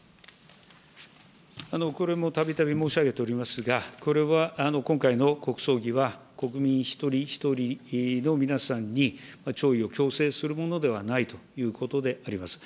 これもたびたび申し上げておりますが、これは、今回の国葬儀は、国民一人一人の皆さんに弔意を強制するものではないということであります。